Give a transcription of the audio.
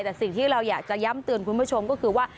แต่สิ่งที่เราอยากจะย้ำเตือนคุณผู้ชมก็คือว่า